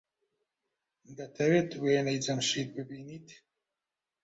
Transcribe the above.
دەتەوێت وێنەی جەمشید ببینیت؟